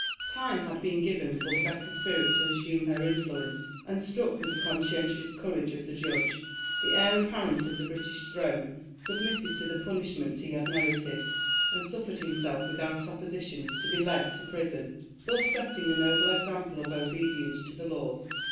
Time had been given for the better spirit to assume her influence, and struck with the conscientious courage of the judge, the heir apparent of the British throne submitted to the punishment he had merited, and suffered himself without opposition to be led to prison, thus setting a noble example of obedience to the laws.